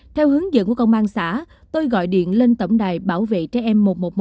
theo hướng dẫn của công an xã tôi gọi điện lên tổng đài bảo vệ trẻ em một trăm một mươi một